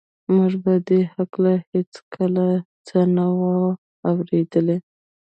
موږ په دې هکله هېڅکله څه نه وو اورېدلي